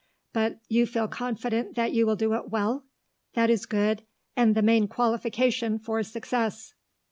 But you feel confident that you will do it well? That is good, and the main qualification for success."